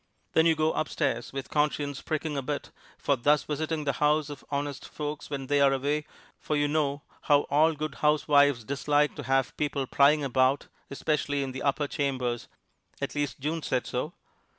Then you go upstairs, with conscience pricking a bit for thus visiting the house of honest folks when they are away, for you know how all good housewives dislike to have people prying about, especially in the upper chambers at least June said so!